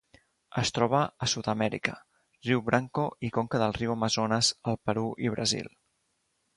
Es troba a Sud-amèrica: riu Branco i conca del riu Amazones al Perú i Brasil.